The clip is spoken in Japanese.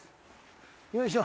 よいしょ。